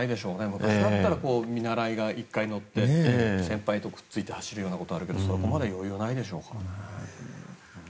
昔なら見習いが１回乗って先輩をくっついて走ることありますがそこまで余裕ないでしょうから。